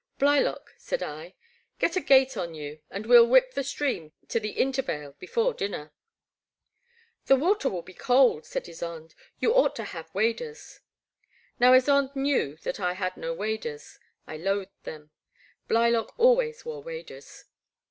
'* Blylock, '* said I, get a gait on you, and we '11 whip the stream to the Intervale before dinner.*' The water will be cold, '' said Ysonde. You ought to have waders.'* Now Ysonde knew that I had no waders. I loathed them. Blylock always wore waders.